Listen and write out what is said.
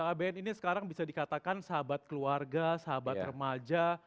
abn ini sekarang bisa dikatakan sahabat keluarga sahabat remaja